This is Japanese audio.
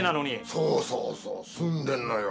そうそうそう住んでるのよ。